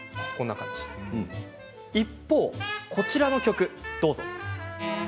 一方、こちらの曲をどうぞ。